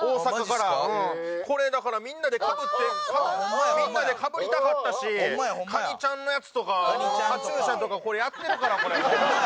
これだからみんなでかぶってみんなでかぶりたかったしカニちゃんのやつとかカチューシャとかこれやってるからこれ。